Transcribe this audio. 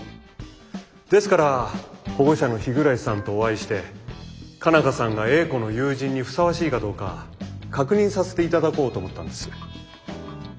ですから保護者の日暮さんとお会いして佳奈花さんが英子の友人にふさわしいかどうか確認させて頂こうと思ったんです。